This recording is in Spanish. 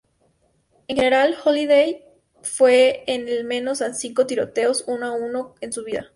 En general, Holliday fue al menos a cinco tiroteos uno-a-uno en su vida.